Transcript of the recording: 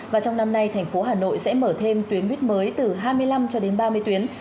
và trong năm nay thành phố hà nội sẽ mở thêm tuyến buýt mới từ hai mươi năm cho đến ba mươi tuyến